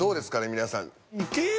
皆さん。